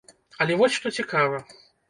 Але вось што цікава.